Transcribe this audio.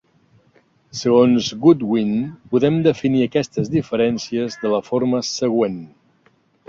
Segons Goodwin, podem definir aquestes diferències de la forma següent.